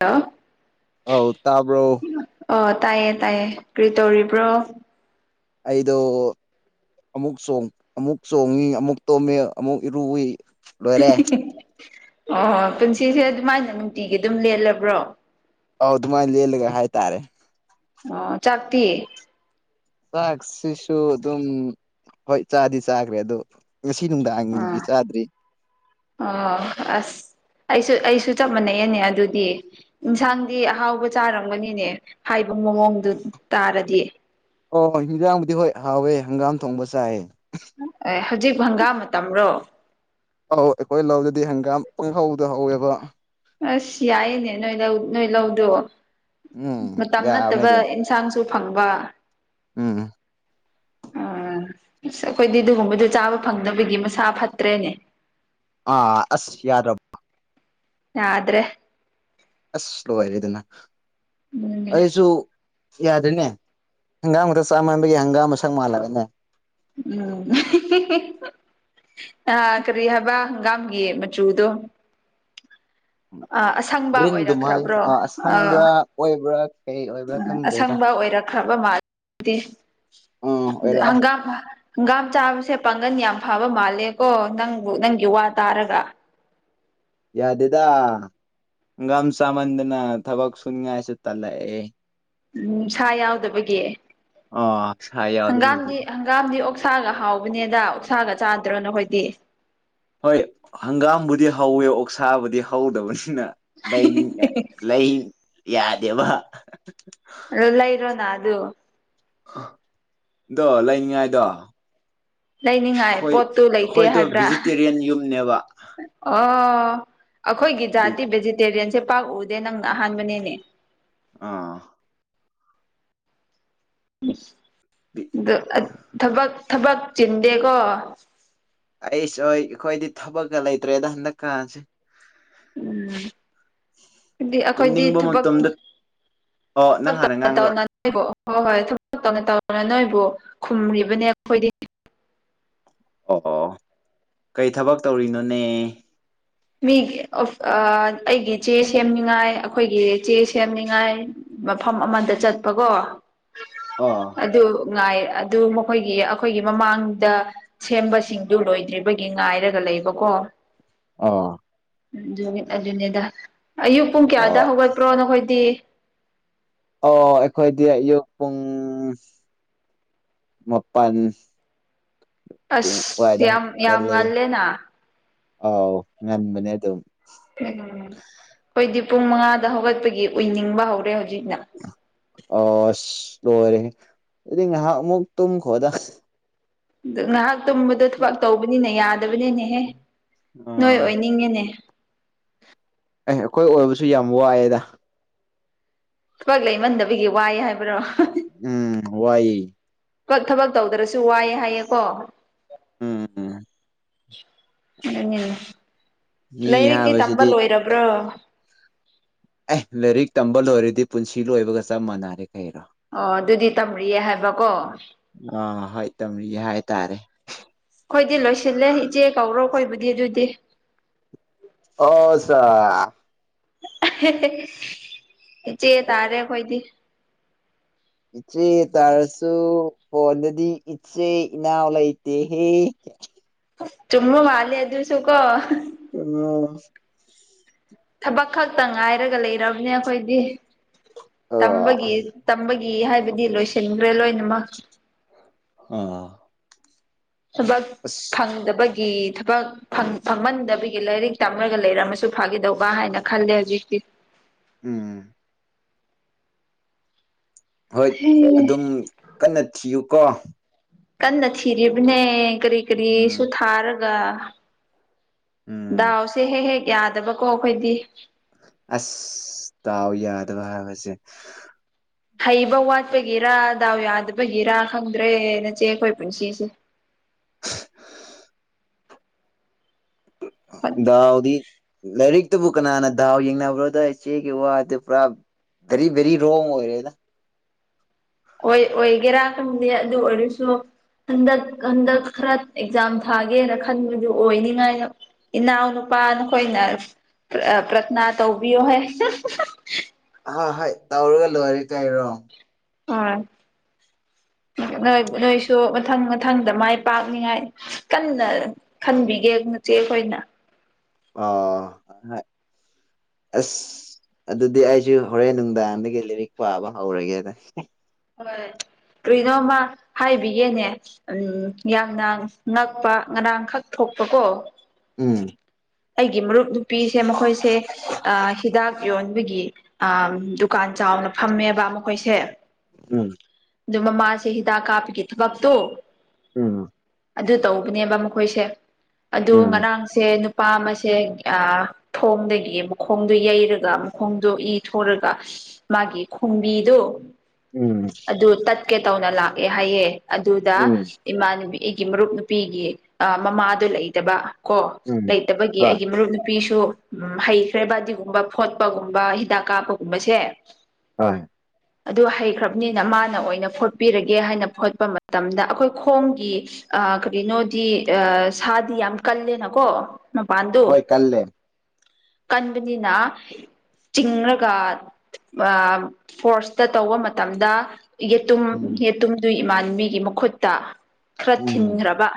hello ꯑꯧ ꯇꯥꯕ꯭ꯔꯣ ꯇꯥꯏꯌꯦ ꯇꯥꯏꯌꯦ ꯀꯔꯤ ꯇꯧꯔꯤꯕ꯭ꯔꯣ ꯑꯩꯗ ꯑꯃꯨꯛ ꯑꯃꯨꯛ ꯆꯣꯡꯉꯤ ꯑꯃꯨꯛ ꯇꯣꯝꯃꯤ ꯑꯃꯨꯛ ꯏꯔꯨꯏ ꯂꯣꯏꯔꯦ ꯑ ꯄꯨꯟꯁꯤꯁꯦ ꯑꯗꯨꯃꯥꯏꯅ ꯅꯨꯡꯇꯤꯒꯤ ꯑꯗꯨꯝ ꯂꯦꯜꯂꯕ꯭ꯔꯣ ꯍꯥꯎꯗ ꯃꯥꯏꯂꯒ ꯍꯥꯏꯥꯏ ꯇꯔꯦ ꯑ ꯆꯥꯛꯇꯌꯦ ꯆꯥꯛꯁꯤꯁꯨ ꯑꯗꯨꯝ ꯍꯣꯏ ꯆꯥꯗꯤ ꯆꯥꯈ꯭ꯔꯦ ꯑꯗꯨ ꯉꯁꯤ ꯅꯨꯡꯗꯥꯡꯒꯤ ꯆꯥꯗ꯭ꯔꯤ ꯑ ꯑꯁ ꯑꯩꯁꯨ ꯑꯩꯁꯨ ꯆꯞ ꯃꯥꯟꯅꯩꯅꯦ ꯑꯗꯨꯗꯤ ꯏꯟꯁꯥꯡꯗꯤ ꯑꯍꯥꯎꯕ ꯆꯥꯔꯝꯒꯅꯤꯅꯦ ꯍꯥꯏꯕ ꯃꯑꯣꯡꯗꯨ ꯇꯥꯔꯗꯤ ꯑꯣ ꯍꯤꯟꯖꯥꯡꯕꯨꯗꯤ ꯍꯣꯏ ꯍꯥꯎꯋꯦ ꯍꯪꯒꯥꯝ ꯊꯣꯡꯕ ꯆꯥꯏꯑ ꯑꯦ ꯍꯧꯖꯤꯛ ꯪꯒꯥ ꯃꯇꯝꯔꯣ ꯑꯧ ꯑꯩꯈꯣꯏ ꯂꯧꯗꯗꯤ ꯍꯪꯒꯥꯝ ꯄꯪꯍꯧꯗ ꯍꯧꯋꯦꯕ ꯑꯁ ꯌꯥꯏꯌꯦꯅꯦ ꯅꯣꯏ ꯂꯧ ꯅꯣꯏ ꯂꯧꯗꯣ ꯎꯝ ꯃꯇꯝ ꯌꯥꯕꯅꯦ ꯅꯠꯇꯕ ꯑꯗꯨꯝ ꯏꯟꯁꯥꯡꯁꯨ ꯐꯪꯕ ꯎꯝ ꯑ ꯎꯝ ꯑꯁ ꯑꯩꯈꯣꯏꯗꯤ ꯑꯗꯨꯒꯨꯝꯕꯗ ꯆꯥꯕ ꯐꯪꯗꯅꯕꯒꯤ ꯃꯁꯥ ꯐꯠꯇ꯭ꯔꯦꯅꯦ ꯑꯥ ꯑꯁ ꯌꯥꯔ ꯌꯥꯗ꯭ꯔꯦ ꯑꯁ ꯂ ꯍꯥꯏꯔꯦꯗꯅ ꯎꯝ ꯑꯩꯁꯨ ꯌꯥꯗꯣꯏꯅꯦ ꯍꯪꯒꯥꯝꯗꯨꯗ ꯆꯥ ꯃꯕꯒꯤ ꯍꯪꯒꯥꯝ ꯑꯃ ꯁꯛ ꯃꯥꯜꯂꯕꯅꯦ ꯎꯝ ꯑꯥ ꯀꯔꯤ ꯍꯥꯕ ꯀꯝꯒꯤꯌꯦ ꯃꯆꯨꯗꯣ ꯑ ꯑꯁꯪꯕ ꯒ꯭ꯔꯤꯟꯗꯨꯝ ꯍꯥꯏ ꯑꯣꯏꯔꯛꯈ꯭ꯔꯕ꯭ꯔꯣ ꯑ ꯑꯁꯪꯕ꯭ꯔꯥ ꯑꯣꯏꯕ꯭ꯔꯥ ꯀꯩ ꯑꯣꯏꯕ꯭ꯔꯥ ꯎ ꯈꯪꯗ꯭ꯔꯦꯗ ꯑꯁꯪꯕ ꯑꯣꯏꯔꯛ꯭ꯔ ꯈꯕ ꯃꯥꯗꯤ ꯎꯝ ꯑꯣꯏꯔꯛꯑꯦ ꯍꯪꯒꯥꯝ ꯍꯪꯒꯥꯝ ꯆꯥꯕꯁꯦ ꯄꯥꯡꯒꯜ ꯌꯥꯝ ꯐꯕ ꯃꯥꯜꯂꯦꯀꯣ ꯅꯪꯕꯨ ꯅꯪꯒꯤ ꯋꯥ ꯇꯥꯔꯒ ꯌꯥꯗꯦꯗꯥ ꯉꯝꯁꯃꯗꯅ ꯊꯕꯛ ꯁꯟ ꯌꯥꯁꯨꯦ ꯇꯂꯑ ꯎꯝ ꯁꯥ ꯌꯥꯎꯗꯕꯒꯤ ꯑ ꯁꯥ ꯌꯥꯎꯗꯕꯒꯤ ꯍꯪꯒꯥꯝꯗꯤ ꯍꯪꯒꯥꯝꯗꯤ ꯑꯣ ꯎꯁꯥꯒ ꯍꯥꯎꯕꯅꯦꯗ ꯎꯁꯥꯒ ꯍꯣꯏ ꯍꯪꯒꯥꯝꯕꯨꯗꯤ ꯍꯧꯋꯦ ꯑꯣꯛꯁꯥꯕꯨꯗꯤ ꯍꯧꯗꯕꯅꯤ ꯂ ꯂ ꯌꯥꯗꯕ ꯂ ꯏꯔꯣ ꯅ ꯑꯗꯨ ꯗꯣ ꯂꯩꯅꯤꯉꯥꯏꯗꯣ ꯂꯩꯅꯤꯡꯉꯥꯏ ꯄꯣꯠꯇꯨ ꯂꯩꯇꯦ ꯍꯥꯏꯕ꯭ꯔꯥ ꯚꯤꯖꯤꯇꯦꯔꯤꯌꯟ ꯌꯨꯝꯅꯦꯕ ꯑꯣ ꯑꯩꯈꯣꯏꯒꯤ ꯑꯗꯨ ꯖꯥꯇꯤ ꯚꯦꯖꯤꯇꯦꯔꯤꯌꯟꯁꯦ ꯄꯥꯛꯎꯗꯦ ꯅꯪꯅ ꯑꯍꯥꯟꯕꯅꯦꯅꯦ ꯑꯥ ꯑ ꯊꯕꯛ ꯊꯕꯛ ꯆꯤꯟꯗꯦꯀꯣ ꯑꯩꯁꯨ ꯍ ꯑꯩꯈꯣꯏꯗꯤ ꯊꯕꯛꯀ ꯂꯩꯇ꯭ꯔꯦꯗ ꯍꯟꯗꯛꯀꯥꯁꯦ ꯎꯝ ꯍꯥꯏꯗꯤ ꯑꯩꯈꯣꯏꯗꯤ ꯇꯨꯝꯅꯤꯡꯕ ꯊꯕꯛ ꯃꯇꯝꯗ ꯑꯣ ꯅꯪ ꯍꯥꯟꯅ ꯇ ꯉꯥꯡꯔꯣ ꯍꯣꯏ ꯍꯣꯏ ꯊꯨꯝ ꯇꯧꯅ ꯇꯧꯅ ꯅꯣꯏꯕꯨ ꯈꯨꯝ꯭ꯔꯤꯕꯅꯦ ꯑꯩꯈꯣꯏꯗꯤ ꯑꯣ ꯀꯩ ꯊꯕꯛ ꯇꯧꯔꯤꯅꯣꯅꯦ ꯃꯤ ꯑꯩꯒꯤ ꯆꯦ ꯁꯦꯝꯅꯤꯉꯥꯏ ꯑꯩꯈꯣꯏꯒꯤ ꯆꯦ ꯁꯦꯝꯅꯤꯉꯥꯏ ꯃꯐꯝ ꯑꯃꯗ ꯆꯠꯄꯀꯣ ꯑꯣ ꯑꯗꯨ ꯉꯥꯏ ꯑꯗꯨ ꯃꯈꯣꯏꯒꯤ ꯑꯩꯈꯣꯏꯒꯤ ꯃꯃꯥꯡꯗ ꯁꯦꯝꯕꯁꯤꯡꯗꯨ ꯂꯣꯏꯗ꯭ꯔꯤꯕꯒꯤ ꯉꯥꯏꯔꯒ ꯂꯩꯕꯀꯣ ꯑ ꯑꯣ ꯠ ꯑꯗꯨꯅꯦꯗ ꯑꯌꯨꯛ ꯄꯨꯡ ꯑꯣ ꯀꯌꯥꯗ ꯍꯧꯒꯠꯄ꯭ꯔꯣ ꯅꯈꯣꯏꯗꯤ ꯑꯣ ꯑꯩꯈꯣꯏꯗꯤ ꯑꯌꯨꯛ ꯄꯨꯡ ꯃꯄꯥꯟ ꯑꯁ ꯋꯥꯏꯗ ꯌꯥꯝ ꯌꯥꯝ ꯉꯜꯂꯤ ꯉꯜꯂꯦꯅ ꯑꯥꯎ ꯉꯟꯕꯅꯦ ꯑꯗꯨꯝ ꯎ ꯍꯣꯏꯗꯤ ꯄꯨꯡ ꯃꯉꯥꯗ ꯍꯧꯒꯠꯄꯒꯤ ꯑꯣꯏꯅꯤꯡꯕ ꯍꯧꯔꯦ ꯍꯧꯖꯤꯛ ꯑ ꯂꯣꯏꯔꯦ ꯑꯗꯨꯗꯤ ꯉꯥꯏꯍꯥꯛ ꯑꯃꯨꯛ ꯇꯨꯝ ꯈꯣꯗꯥ ꯑ ꯉꯥꯏꯍꯥꯛ ꯇꯨꯝꯕꯗꯣ ꯊꯕꯛ ꯇꯧꯕꯅꯤꯅ ꯌꯥꯅꯤ ꯕꯅꯦꯅꯦꯍꯦ ꯅꯣꯏ ꯑꯦ ꯑꯣꯏꯅꯤꯡꯉꯤꯅꯦ ꯑꯦ ꯑꯩꯈꯣꯏ ꯑꯣꯏꯕꯁꯨ ꯌꯥꯝ ꯋꯥꯏꯑꯦꯗ ꯊꯕꯛ ꯂꯩꯃꯟꯗꯕꯒꯤ ꯋꯥꯏ ꯍꯥꯏꯕ꯭ꯔꯣ ꯎꯝ ꯋꯥꯏ ꯀ ꯊꯕꯛ ꯇꯧꯗ꯭ꯔꯁꯨ ꯋꯥꯏꯑ ꯍꯥꯏꯌꯦꯀꯣ ꯎꯝ ꯎꯝ ꯃꯤ ꯂꯥꯏꯔꯤꯛꯀꯤ ꯇꯝꯕ ꯍꯥꯏꯕꯁꯤꯗꯤ ꯂꯣꯏꯔꯕ꯭ꯔꯣ ꯑꯦ ꯂꯥꯏꯔꯤꯛ ꯇꯝꯕ ꯂꯣꯏꯔꯗꯤ ꯄꯨꯟꯁꯤ ꯂꯣꯏꯕꯒ ꯆꯞ ꯃꯥꯟꯅꯔꯦ ꯀꯩꯔꯣ ꯑꯣ ꯑꯗꯨꯗꯤ ꯇꯝꯔꯤꯌꯦ ꯍꯥꯏꯕꯀꯣ ꯑ ꯍꯣꯏ ꯇꯝꯔꯤꯒꯦ ꯍꯥꯏꯇꯥꯔꯦ ꯑꯗꯨ ꯑꯗꯨꯗꯤ ꯑꯣꯁ ꯏꯆꯦ ꯇꯥꯔꯦ ꯑꯩꯈꯣꯏꯗꯤ ꯏꯆꯦ ꯇꯥꯔꯁꯨ ꯍꯣꯟꯗꯗꯤ ꯏꯆꯦ ꯏꯅꯥꯎ ꯂꯩꯇꯦꯍꯦ ꯆꯨꯝꯃ ꯃꯥꯕꯥꯂꯦ ꯍꯥꯏ ꯑꯗꯨꯣꯁꯨꯈ ꯎ ꯊꯕꯛ ꯈꯛꯇ ꯉꯥꯏꯔꯒ ꯂꯩꯔꯕꯅꯦ ꯑꯥ ꯑꯩꯈꯣꯏꯗꯤꯝꯕꯒꯤꯝꯕꯒꯤ ꯤ ꯍꯥꯏꯕꯗꯤ ꯂꯣꯏꯁꯤꯟꯈ꯭ꯔꯦ ꯂꯣꯏꯅꯃꯛ ꯑꯥ ꯊꯕꯛ ꯐꯪꯗꯕꯒꯤ ꯒꯤ ꯊꯕꯛ ꯐꯪꯍꯟꯗꯕꯒꯤ ꯂꯥꯏꯔꯤꯛ ꯇꯝꯃꯔꯒ ꯂꯩꯔꯝꯃꯁꯨ ꯐꯥꯒꯗꯧꯕ ꯍꯥꯏꯅ ꯈꯜꯂꯦ ꯍꯧꯖꯤꯛꯇꯤ [unintelligible] ꯎꯝ ꯍꯣꯏ ꯑꯗꯨꯝ ꯀꯟꯅ ꯊꯤꯌꯨꯀꯣ ꯀꯟꯅ ꯊꯤꯔꯤꯕꯅꯦ ꯀꯔꯤ ꯎꯝ ꯀꯔꯤꯁꯨ ꯊꯥꯔꯒ ꯎꯝ ꯗꯥꯎꯁꯦ ꯍꯦꯛ ꯍꯦꯛ ꯌꯥꯗꯕꯀꯣ ꯑꯩꯈꯣꯏꯗꯤ ꯑꯁ ꯗꯥꯎ ꯌꯥꯗꯕ ꯍꯥꯏꯕꯁꯦ ꯍꯩꯕ ꯋꯥꯠꯄꯒꯤꯔꯥ ꯗꯥꯎ ꯌꯥꯗꯕꯒꯤꯔ ꯈꯪꯗ꯭ꯔꯦ ꯅꯆꯦ ꯑꯩꯈꯣꯏ ꯄꯨꯟꯁꯤꯁꯦ [inaudible] ꯗꯥꯎꯗꯤ ꯂꯥꯏꯔꯤꯛ ꯇꯕꯨ ꯀꯅꯥꯅ ꯗꯥꯎ ꯌꯦꯡꯅꯕ꯭ꯔꯣꯗ ꯏꯆꯦꯒꯤ ꯋꯥꯗꯨꯕꯣ ꯕꯦꯔꯤ ꯕꯦꯔꯤ ꯔꯣꯡ ꯑꯣꯏꯔꯦꯗ ꯍꯣꯏ ꯑꯣꯏꯒꯦꯔꯥ ꯈꯪꯗꯦ ꯑꯗꯨ ꯑꯣꯏꯔꯁꯨ ꯍꯟꯗꯛ ꯍꯟꯗꯛ ꯈꯔ ꯑꯦꯛꯖꯥꯝ ꯊꯥꯒꯦꯅ ꯈꯟꯕꯗꯨ ꯑꯣꯏꯅꯤꯉꯥꯏꯅ ꯏꯅꯥꯎꯅꯨ ꯃꯕꯥ ꯅꯈꯣꯏꯅ ꯄ꯭ꯔꯊꯅꯥ ꯇꯧꯕꯤꯌꯣꯍꯦ ꯍꯣꯏ ꯍꯣꯏ ꯇꯧꯔꯒ ꯂꯣꯏꯔꯦ ꯀꯩꯔꯣ ꯑꯥ ꯅꯣꯏ ꯅꯣꯏꯁꯨ ꯃꯊꯪ ꯃꯊꯪꯗ ꯃꯥꯏ ꯄꯥꯛꯅꯤꯉꯥꯏ ꯀꯟꯅ ꯈꯟꯕꯤꯒꯦ ꯆꯦꯈꯅ ꯑꯥ ꯑꯁ ꯑꯗꯨꯗꯤ ꯑꯩꯁꯨ ꯍꯣꯔꯦꯟ ꯅꯨꯡꯗꯥꯡꯗꯒꯤ ꯂꯤꯔꯤꯛ ꯄꯥꯕ ꯍꯧꯔꯒꯦꯗ ꯍꯣꯏ ꯀꯔꯤꯅꯣꯃ ꯍꯥꯏꯕꯤꯒꯦꯅꯦ ꯎ ꯌꯥꯝꯅ ꯉꯛꯄ ꯉꯔꯥꯡꯈꯛ ꯊꯣꯛ ꯄꯥꯀꯣ ꯎꯝ ꯑꯩꯒꯤ ꯃꯔꯨꯞ ꯅꯨꯄꯤꯁꯦ ꯃꯈꯣꯏꯁꯦ ꯍꯤꯗꯥꯛ ꯌꯣꯟ ꯌꯣꯟꯕꯥꯒꯤ ꯑ ꯗꯨꯀꯥꯟ ꯆꯥꯎꯅ ꯐꯝꯃꯦꯕ ꯃꯈꯣꯏꯁꯦ ꯎꯝ ꯑꯗꯨ ꯃꯃꯥꯁꯦ ꯍꯤꯗꯥꯛ ꯀꯥꯞꯄꯒꯤ ꯊꯕꯛꯇꯣ ꯎꯝ ꯑꯗꯨ ꯇꯧꯕꯅꯦꯕ ꯃꯈꯣꯏꯁꯦ ꯑꯗꯨ ꯎꯝ ꯉꯔꯥꯡꯁꯦ ꯅꯨꯄꯥ ꯑꯃꯥꯁꯦ ꯊꯣꯡꯗꯒꯤ ꯃꯈꯣꯡꯗꯣ ꯌꯩꯔꯒ ꯃꯈꯣꯡꯗꯣ ꯏ ꯊꯣꯔꯒ ꯃꯥꯒꯤ ꯈꯣꯡꯕꯤꯗꯨ ꯎꯝ ꯇꯥꯠꯀꯦ ꯇꯧꯅ ꯂꯥꯛꯑꯦ ꯍꯥꯏꯌꯦ ꯑꯗꯨꯗ ꯎꯝ ꯏꯃꯥꯟꯅꯕꯤ ꯑꯩꯒꯤ ꯃꯔꯨꯞ ꯅꯨꯄꯤꯒꯤ ꯃꯃꯥꯗꯨ ꯂꯩꯇꯕ ꯀꯣ ꯎꯝ ꯂꯩꯇꯕꯒꯤ ꯍꯣꯏ ꯑꯩꯒꯤ ꯃꯔꯨꯞ ꯅꯨꯄꯤ ꯅꯨꯄꯤꯁꯨ ꯎꯝ ꯍꯩꯈ꯭ꯔꯦ ꯕ ꯑꯗꯨꯒꯒꯨꯝꯕ ꯐꯣꯠꯄꯒꯨꯝꯕ ꯍꯤꯗꯥꯛ ꯀꯥꯞꯄꯒꯨꯝꯕꯁꯦ ꯍꯣꯏ ꯑꯗꯨ ꯍꯩꯈ꯭ꯔꯕꯅꯦ ꯃꯥꯅ ꯑꯣꯏꯅ ꯐꯣꯠꯄꯤꯔꯒꯦ ꯍꯥꯏꯅ ꯐꯣꯠꯄ ꯃꯇꯝꯗ ꯑꯩꯈꯣꯏ ꯈꯣꯡꯒꯤ ꯀꯔꯤꯅꯣꯗꯤ ꯑ ꯁꯥꯗꯤ ꯌꯥꯝ ꯀꯜꯂꯦꯅꯀꯣ ꯃꯄꯥꯟꯗꯣ ꯍꯣꯏ ꯀꯜꯂꯦ ꯀꯟꯕꯅꯤꯅ ꯆꯤꯡꯔꯒ ꯐꯣꯔꯁꯇ ꯇꯧꯕ ꯃꯇꯝꯗ ꯌꯦꯇꯨꯝ ꯎꯝ ꯌꯦꯇꯨꯝꯗꯨ ꯏꯃꯥꯟꯕꯤꯒꯤ ꯃꯈꯨꯠꯇ ꯈꯔ ꯎꯝ ꯊꯤꯟꯈ꯭ꯔꯕ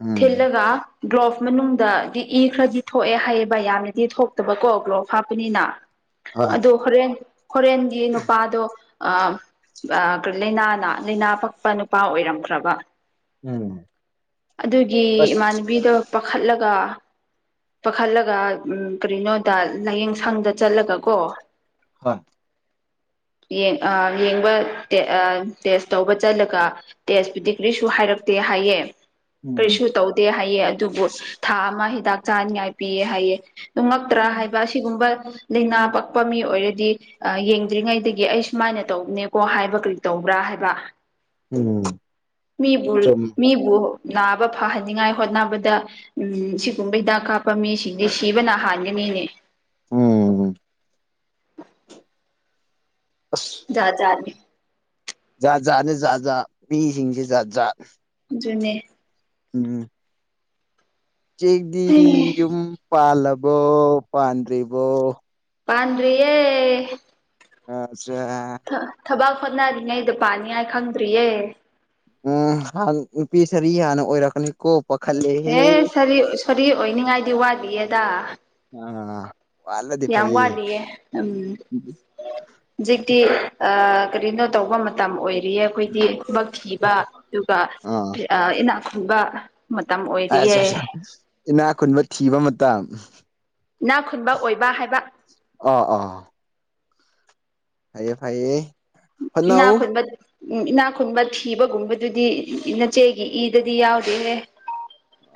ꯎꯝ ꯊꯤꯜꯂꯒ ꯒ꯭ꯂꯣꯚ ꯃꯅꯨꯡꯗꯗꯤ ꯏ ꯈ꯭ꯔꯗꯤ ꯊꯣꯛꯑꯦ ꯍꯥꯏꯌꯦꯕ ꯌꯥꯝꯅꯗꯤ ꯊꯣꯛꯇꯕꯀꯣ ꯒ꯭ꯂꯣꯚ ꯍꯥꯞꯄꯅꯤꯅ ꯍꯣꯏ ꯑꯗꯨ ꯍꯣꯔꯦꯟ ꯍꯣꯔꯦꯟꯒꯤ ꯅꯨꯄꯥꯗꯣ ꯑꯥ ꯂꯥꯏꯅꯥꯅ ꯂꯥꯏꯅꯥ ꯄꯛꯄ ꯅꯨꯄꯥ ꯑꯣꯏꯔꯝꯕꯔꯥꯕ ꯎꯝ ꯑꯗꯨꯒꯤ ꯑꯁ ꯏꯃꯥꯟꯅꯕꯤꯗꯣ ꯄꯥꯈꯠꯂꯒ ꯄꯥꯈꯠꯂꯒ ꯎ ꯀꯔꯤꯅꯣꯗ ꯂꯥꯏꯌꯦꯡ ꯁꯪꯗ ꯆꯠꯂꯒ ꯀꯣ ꯍꯣꯏ [inaudible] ꯌꯦꯡꯕ ꯇꯦꯁ ꯇꯧꯕ ꯆꯠꯂꯒ ꯇꯦꯁꯄꯨꯗꯤ ꯀꯔꯤꯁꯨ ꯍꯥꯏꯔꯛꯇꯦ ꯍꯥꯏꯌꯦ ꯎꯝ ꯀꯔꯤꯁꯨ ꯇꯧꯗꯦ ꯍꯥꯏꯑꯦ ꯑꯗꯨꯕꯨ ꯊꯥ ꯑꯃ ꯍꯤꯗꯥꯛ ꯆꯥꯅꯤꯡꯉꯥꯏ ꯄꯤꯌꯦ ꯍꯥꯏꯌꯦꯦ ꯉꯛꯇ꯭ꯔꯥ ꯍꯥꯏꯕ ꯑꯁꯤꯒꯨꯝꯕ ꯂꯥꯏꯅꯥ ꯄꯛꯄ ꯃꯤ ꯑꯣꯏꯔꯗꯤ ꯌꯦꯡꯗ꯭ꯔꯤꯉꯩꯗꯒꯤ ꯑꯩ ꯁꯨꯃꯥꯏꯅ ꯇꯧꯕꯅꯦꯀꯣ ꯍꯥꯏꯕ ꯀꯔꯤ ꯇꯧ ꯭ꯔ ꯍꯥꯏꯕ ꯎꯝ ꯃꯤꯕꯨ ꯆꯨꯝ ꯃꯤꯕꯨ ꯅꯥꯕ ꯐꯍꯟꯅꯤꯡꯉꯥꯏ ꯍꯣꯠꯅꯕꯗ ꯎꯝ ꯁꯤꯒꯨꯝꯕ ꯍꯤꯗꯥꯛ ꯀꯥꯞꯄꯝ ꯃꯤ ꯁꯤ ꯁꯤꯗꯤ ꯁꯤꯕ ꯅꯍꯥꯟꯒ ꯃꯤꯅꯦ ꯎꯝ ꯑꯁ ꯌꯥꯖꯖꯥꯅꯤ ꯖꯥꯠ ꯖꯥꯠ ꯖꯥꯠ ꯖꯠ ꯃꯤꯁꯤꯡꯁꯦ ꯖꯥꯠ ꯖꯥꯠ ꯖꯨꯅꯦ ꯎꯝ ꯆꯦꯛꯗꯤ ꯍꯩ ꯌꯨꯝ ꯄꯥꯜꯂꯕꯣ ꯄꯥꯟꯗ꯭ꯔꯤꯕꯣ ꯄꯟꯌꯦꯦ ꯑꯁ ꯊꯕꯥꯛ ꯍꯣꯠꯅꯔꯤꯉꯩꯗ ꯄꯥꯅꯤꯉꯥꯏ ꯈꯪꯗ꯭ꯔꯤꯌꯦ ꯎꯝ ꯍꯥꯟ ꯅꯨꯄꯤ ꯁꯥꯔꯤ ꯍꯥꯟꯅ ꯑꯣꯏꯔꯛꯀꯅꯤ ꯑꯦ ꯁꯔꯤ ꯁꯣꯔꯤ ꯑꯣꯏꯅꯤꯡꯉꯥꯏꯗꯤ ꯋꯥꯠꯂꯤꯌꯦꯗ ꯎꯝ ꯌꯥꯝ ꯋꯥꯠꯂꯤꯌꯦ ꯎꯝ ꯍꯧꯖꯤꯛꯇꯤ ꯀꯔꯤꯅꯣ ꯇꯧꯕ ꯃꯇꯝ ꯑꯣꯏꯔꯦ ꯍꯧꯌꯦ ꯑꯩꯈꯣꯏꯗꯤ ꯈꯨꯕꯛ ꯊꯤꯕ ꯑꯗꯨꯒ ꯑꯥ ꯏꯅꯥꯛ ꯈꯨꯟꯕ ꯃꯇꯝ ꯑ ꯑꯣꯏꯔꯤꯌꯦ ꯑ ꯏꯅꯥ ꯈꯨꯨꯟꯕ ꯊꯤꯕ ꯃꯇꯝ ꯅꯥ ꯈꯨꯟꯕ ꯑꯣꯏꯕ ꯍꯥꯏꯕ ꯍꯥꯏꯌꯦ ꯐꯥꯏꯌꯦ ꯅꯥꯈꯣꯏꯠ ꯎꯝ ꯏꯅꯥꯛ ꯈꯨꯨꯟꯕ ꯊꯤꯕꯒꯨꯝꯕꯗꯨꯗꯤ ꯅꯆꯦꯒꯤ ꯏꯗꯗꯤ ꯌꯥꯎꯗꯦꯍꯦ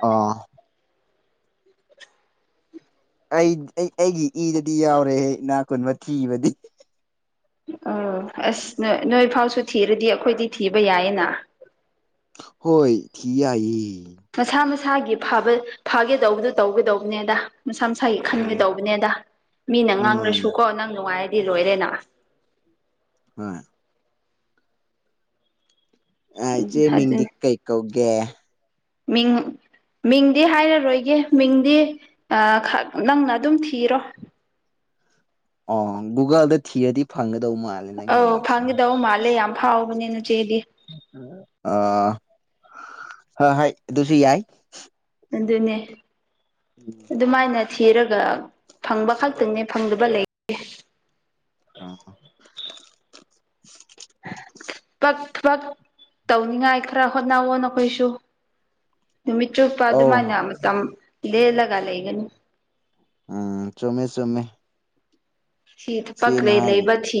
ꯑꯥ ꯑꯩ ꯑꯩ ꯑꯩꯒꯤ ꯏꯗꯗꯤ ꯌꯥꯎꯔꯦꯍꯦ ꯏ ꯅꯥ ꯀꯨꯟꯕ ꯊꯤꯕꯗꯤ ꯑ ꯑꯁ ꯅꯣꯏ ꯐꯥꯎꯁꯨ ꯊꯤꯔꯗꯤ ꯑꯩꯈꯣꯏꯗꯤ ꯊꯤꯕ ꯌꯥꯏꯌꯦꯅ ꯍꯣꯏ ꯊꯤ ꯌꯥ ꯃꯁꯥ ꯃꯁꯥꯒꯤ ꯐꯕ ꯐꯥꯒꯦꯗꯧꯕꯗꯨꯣ ꯇꯧꯒꯗꯧꯕꯅꯦꯗ ꯃꯁꯥ ꯃꯁꯥꯒꯤ ꯎꯝ ꯈꯟꯒꯦꯗꯧꯕꯅꯦꯗ ꯃꯤꯅ ꯎꯝ ꯉꯥꯡꯔꯁꯨꯀꯣ ꯅꯪ ꯅꯨꯡꯉꯥꯏꯔ ꯁꯤ ꯂꯣꯏꯔꯦꯅ ꯍꯣꯏ ꯑ ꯏꯆꯦ ꯃꯤꯡꯗꯤ ꯀꯩ ꯀꯧꯒꯦ ꯃꯤ ꯃꯤꯡꯗꯤ ꯍꯥꯏꯔꯔꯣꯏꯒꯦ ꯃꯤꯡꯗꯤ ꯅꯪꯅ ꯑꯗꯨꯝ ꯊꯤꯔꯣ ꯑ ꯨꯒꯜꯗ ꯊꯤꯑꯗꯤ ꯐꯪꯉ ꯗꯧꯃ ꯑꯂ ꯑꯧ ꯅꯌꯦꯃꯤꯁ ꯐꯪꯒꯗꯧ ꯃꯥꯜꯂꯦ ꯌꯥꯝ ꯐꯥꯎꯕꯅꯦ ꯅꯆꯦꯗꯤ ꯑ ꯍ ꯍꯥꯏ ꯑꯗꯨꯁꯤ ꯌꯥꯏ ꯑꯗꯨꯅꯦ ꯎꯝ ꯑꯗꯨꯃꯥꯏꯅ ꯊꯤꯔꯒ ꯐꯪꯕ ꯈꯛꯇꯪꯅꯦ ꯐꯪꯗꯕ ꯂꯩꯦ ꯑ [inaudible] ꯊꯕꯛ ꯇꯧꯅꯤꯉꯥꯏ ꯈꯔ ꯍꯣꯠꯅꯋꯣ ꯅꯈꯣꯏꯁꯨ ꯅꯨꯃꯤꯠ ꯆꯨꯞꯄ ꯑꯧ ꯑꯗꯨꯃꯥꯏꯅ ꯃꯇꯝ ꯂꯦꯜꯂꯒ ꯂꯩꯒꯅꯤ ꯎꯝ ꯆꯃꯦ ꯆꯃꯦ ꯁꯤꯠ ꯄꯀ ꯂꯩ ꯂꯩꯕꯆꯤ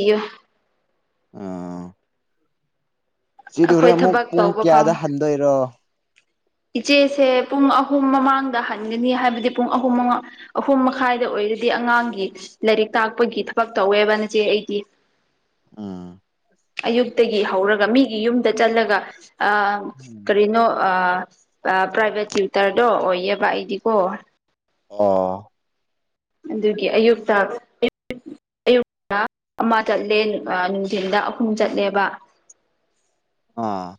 ꯑꯥ ꯆꯗꯨ ꯍꯣꯔꯦꯟ ꯑꯩꯈꯣꯏ ꯑꯃꯨꯛ ꯊꯕꯛ ꯄꯨꯡ ꯇꯧꯕ ꯐꯥꯎ ꯀꯌꯥꯗ ꯍꯟꯗꯣꯏꯔꯣ ꯏꯆꯦꯁꯦ ꯄꯨꯡ ꯑꯍꯨꯝ ꯃꯃꯥꯡꯗ ꯍꯟꯒꯅꯤ ꯍꯥꯏꯕꯗꯤ ꯄꯨꯡ ꯑꯍꯨꯝ ꯃꯉꯥ ꯑꯍꯨꯝ ꯃꯈꯥꯏꯗ ꯑꯣꯏ ꯑꯩꯗꯤ ꯑꯉꯥꯡꯒꯤ ꯂꯥꯏꯔꯤꯛ ꯇꯥꯛꯄꯒꯤ ꯊꯕꯛ ꯇꯧꯋꯦꯕ ꯅꯆꯦ ꯑꯩꯗꯤ ꯎꯝ ꯑꯌꯨꯛꯇꯒꯤ ꯍꯧꯔꯒ ꯃꯤꯒꯤ ꯌꯨꯝꯗ ꯆꯠꯂꯒ ꯑ ꯀꯔꯤꯅꯣ ꯑꯥ ꯄ꯭ꯔꯥꯏꯚꯦꯠ ꯇ꯭ꯌꯨꯇꯔꯗꯣ ꯑꯣꯏꯌꯦꯕ ꯑꯩꯗꯤꯀꯣ ꯑꯣ ꯑꯗꯨꯒꯤ ꯑꯌꯨꯛꯇ ꯑꯃꯨꯛ ꯑꯌꯨꯛ ꯑꯃ ꯆꯠꯂꯦ ꯅꯨꯡꯊꯤꯟꯗ ꯑꯍꯨꯝ ꯆꯠꯂꯦꯕ ꯗ ꯑꯥ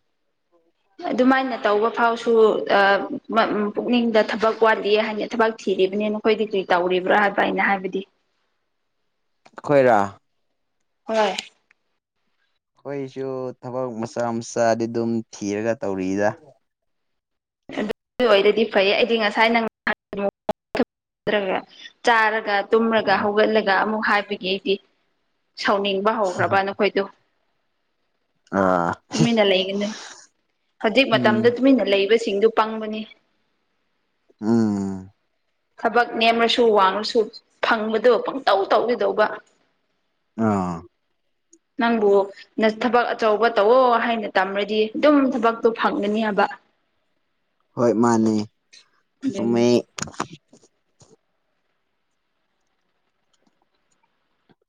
ꯑꯗꯨꯃꯥꯏꯅ ꯇꯧꯕ ꯐꯥꯎꯁꯨ ꯄꯨꯛꯅꯤꯡꯗ ꯊꯕꯛ ꯋꯥꯠꯂꯤ ꯍꯥꯏꯅ ꯊꯕꯛ ꯊꯤ ꯂꯩꯔꯤꯕꯅꯤ ꯅꯈꯣꯏꯗꯤ ꯀꯔꯤ ꯇꯧꯔꯤꯕ꯭ꯔꯥ ꯍꯥꯏꯕ ꯑꯩꯅ ꯍꯥꯏꯕꯗꯤ ꯑꯩꯈꯣꯏꯔꯥ ꯍꯣꯏ ꯑꯩꯈꯣꯏꯁꯨ ꯊꯕꯛ ꯃꯆꯥ ꯃꯆꯥꯗꯤ ꯑꯗꯨꯝ ꯊꯤꯔꯒ ꯇꯧꯔꯤꯗ ꯑꯗꯨ ꯑꯣꯏꯔꯗꯤ ꯐꯩ ꯑꯩꯗꯤ ꯉꯁꯥꯏ ꯅꯪ ꯆꯥꯔꯒ ꯇꯨꯝꯔꯒ ꯍꯧꯒꯠꯂꯒ ꯑꯃꯨꯛ ꯍꯥꯏꯕꯒꯤ ꯑꯩꯗꯤ ꯁꯥꯎꯅꯤꯡꯕ ꯍꯧꯈ꯭ꯔꯕ ꯅꯈꯣꯏꯗꯣ ꯑꯥ ꯇꯨꯃꯤꯟꯅ ꯂꯩꯒꯅꯨ ꯍꯧꯖꯤꯛ ꯎꯝ ꯃꯇꯝꯗ ꯇꯨꯃꯤꯟꯅ ꯂꯩꯕꯁꯤꯡꯗꯨ ꯄꯪꯕꯅꯤ ꯎꯝ ꯊꯕꯛ ꯅꯦꯝꯔꯁꯨ ꯋꯥꯡꯉꯁꯨ ꯐꯪꯕꯗꯣ ꯄꯪꯇꯧ ꯇꯧꯒꯥꯗꯧꯕ ꯑꯥ ꯅꯪꯕꯨ ꯅ ꯊꯕꯛ ꯑꯆꯧꯕ ꯇꯧꯋꯨ ꯍꯥꯏꯅ ꯇꯝꯔꯗꯤ ꯑꯗꯨꯝ ꯊꯕꯛꯇꯣ ꯐꯪꯒꯅꯤꯕ ꯌ ꯍꯣꯏ ꯃꯥꯅꯦ ꯆꯨꯨꯝꯃꯦ ꯑꯗꯨꯅꯤ